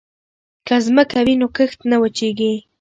که ځمکه وي نو کښت نه وچيږي.